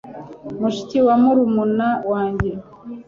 Mushiki wa murumuna wanjye